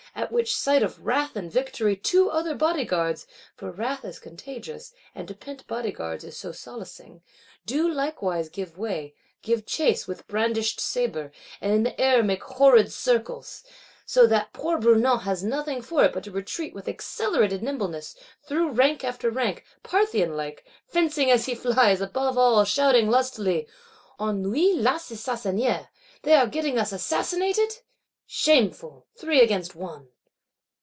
At which sight of wrath and victory two other Bodyguards (for wrath is contagious, and to pent Bodyguards is so solacing) do likewise give way; give chase, with brandished sabre, and in the air make horrid circles. So that poor Brunout has nothing for it but to retreat with accelerated nimbleness, through rank after rank; Parthian like, fencing as he flies; above all, shouting lustily, 'On nous laisse assassiner, They are getting us assassinated?' Shameful! Three against one!